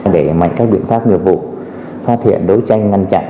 để mạnh các biện pháp nghiệp vụ phát hiện đấu tranh ngăn chặn